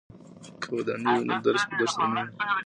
که ودانۍ وي نو درس په دښته نه وي.